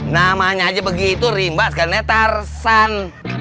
namanya aja begitu rimba sekarangnya tarzan